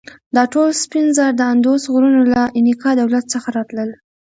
دا ټول سپین زر د اندوس غرونو له انکا دولت څخه راتلل.